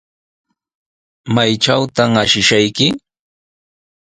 ¿Maytrawtaq ashishayki?